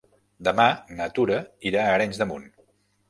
Demà na Tura irà a Arenys de Munt.